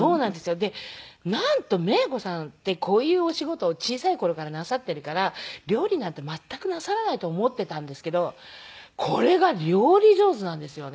でなんとメイコさんってこういうお仕事を小さい頃からなさっているから料理なんて全くなさらないと思っていたんですけどこれが料理上手なんですよね。